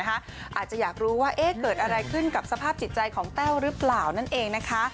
อาจจะอยากรู้ว่าเกิดอะไรขึ้นกับสภาพจิตใจของแต้วหรือเปล่านั่นเองนะคะ